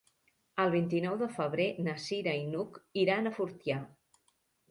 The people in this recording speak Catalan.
El vint-i-nou de febrer na Cira i n'Hug iran a Fortià.